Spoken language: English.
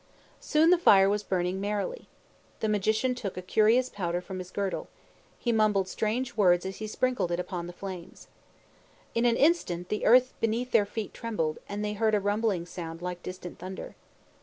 Soon the fire was burning merrily. The Magician took a curious powder from his girdle. He mumbled strange words as he sprinkled it upon the flames. In an instant, the earth beneath their feet trembled, and they heard a rumbling sound like distant thunder.